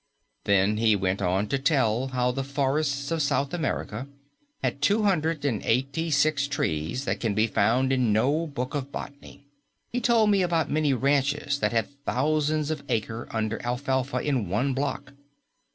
Then he went on to tell how the forests of South America had two hundred and eighty six trees that can be found in no book of botany. He told me about many ranches that had thousands of acres under alfalfa in one block.